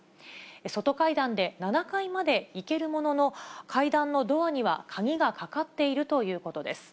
外階段で７階まで行けるものの、階段のドアには鍵がかかっているということです。